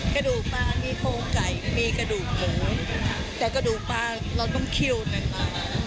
กระดูกปลามีโครงไก่มีกระดูกหมูแต่กระดูกปลาเราต้องเคี่ยวนั้นมา